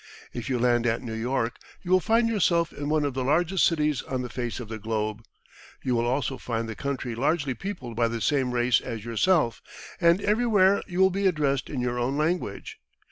If you land at New York, you will find yourself in one of the largest cities on the face of the globe. You will also find the country largely peopled by the same race as yourself, and everywhere you will be addressed in your own language.